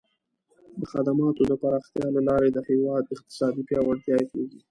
د خدماتو د پراختیا له لارې د هیواد اقتصاد پیاوړی کیږي.